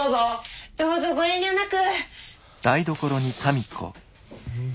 どうぞご遠慮なく。